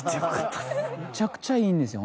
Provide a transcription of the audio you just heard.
めちゃくちゃいいんですよ